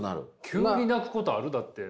急に泣くことある？だって。